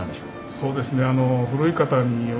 そうですね